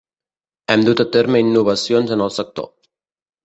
Hem dut a terme innovacions en el sector.